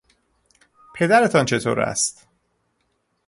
پدرتان چطور است؟